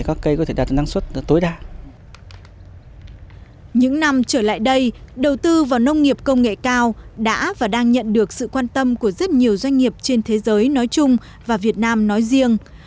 công ty đầu tư vào nông nghiệp công nghệ cao đã và đang nhận được sự quan tâm của rất nhiều doanh nghiệp trên thế giới nói chung và việt nam nói riêng